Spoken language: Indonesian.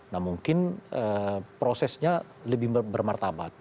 nah mungkin prosesnya lebih bermartabat